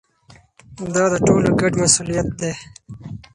دا د ټولو ګډ مسؤلیت دی.